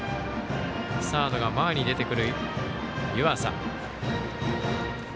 サードが前に出てくる、湯浅。